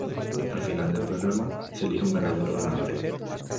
Al final del programa, se elige a un ganador o ganadores.